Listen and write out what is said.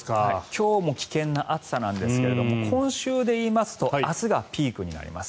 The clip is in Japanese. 今日も危険な暑さなんですが今週でいいますと明日がピークになります。